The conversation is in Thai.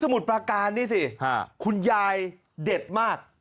มุดประการนี่สิคุณยายเด็ดมาก